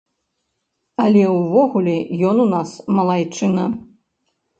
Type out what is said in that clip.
Але ўвогуле, ён у нас малайчына.